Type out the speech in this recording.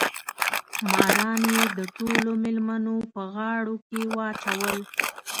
ماران یې د ټولو مېلمنو په غاړو کې راچول.